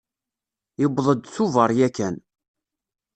Yewweḍ-d Tubeṛ yakan.